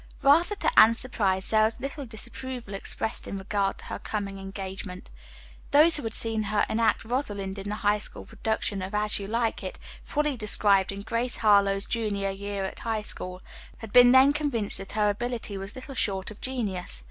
Rather to Anne's surprise, there was little disapproval expressed in regard to her coming engagement. Those who had seen her enact "Rosalind" in the High School production of "As You Like It," fully described in "Grace Harlowe's Junior Year at High School," had been then convinced that her ability was little short of genius.